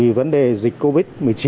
vì vấn đề dịch covid một mươi chín